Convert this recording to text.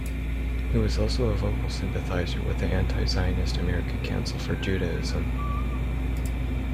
He was also a vocal sympathizer with the anti-Zionist American Council for Judaism.